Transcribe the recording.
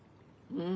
うん。